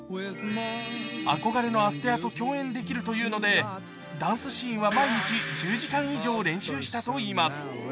憧れのアステアと共演できるというので、ダンスシーンは毎日１０時間以上練習したといいます。